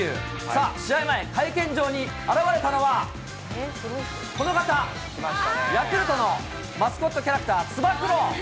さあ、試合前、会見場に現れたのは、この方、ヤクルトのマスコットキャラクター、つば九郎。